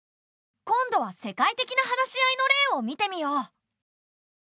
今度は世界的な話し合いの例を見てみよう。